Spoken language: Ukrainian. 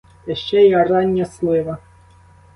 Та ще й рання слива.